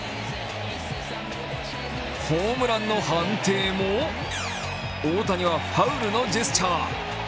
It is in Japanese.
ホームランの判定も大谷はファウルのジェスチャー。